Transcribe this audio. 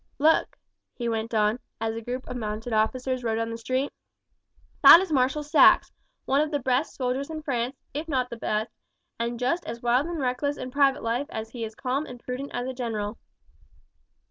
Look!" he went on, as a group of mounted officers rode down the street; "that is Marshal Saxe, one of the best soldiers in France, if not the best, and just as wild and reckless in private life as he is calm and prudent as a general."